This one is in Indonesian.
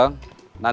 tidak ada apa apa